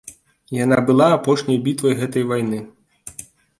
Яна была апошняй бітвай гэтай вайны.